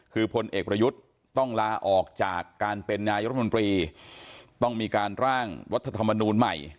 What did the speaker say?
คือพลเอกประยุทธ์ต้องลาออกจากการเป็นนายรัฐมนตรีต้องมีการร่างรัฐธรรมนูลใหม่